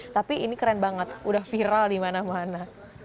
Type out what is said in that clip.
tapi ini keren banget udah viral dimana mana